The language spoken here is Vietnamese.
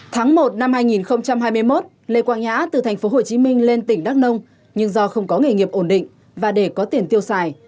tháng một năm hai nghìn hai mươi một lê quang nhã từ tp hcm lên tỉnh đắk nông nhưng do không có nghề nghiệp ổn định và để có tiền tiêu xài